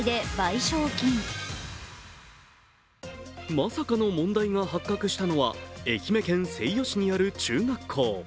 まさかの問題が発覚したのは、愛媛県西予市にある中学校。